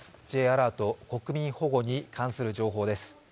Ｊアラート、国民保護に関する情報です。